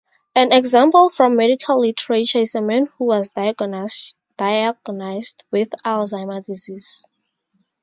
An example from medical literature is a man who was diagnosed with Alzheimer's disease.